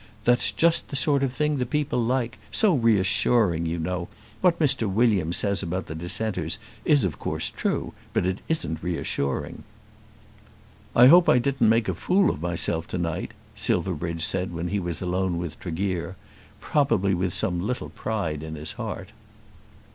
"That's just the sort of thing that the people like. So reassuring, you know. What Mr. Williams says about the dissenters is of course true; but it isn't reassuring." "I hope I didn't make a fool of myself to night," Silverbridge said when he was alone with Tregear, probably with some little pride in his heart.